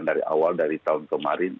dari awal dari tahun kemarin